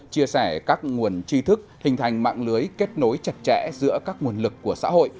chia sẻ các nguồn tri thức hình thành mạng lưới kết nối chặt chẽ giữa các nguồn lực của xã hội